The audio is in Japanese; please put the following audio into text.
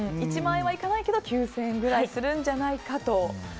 １万円はいかないけど９０００円くらいするんじゃないかと。